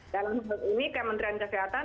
dalam hal ini kementerian kesehatan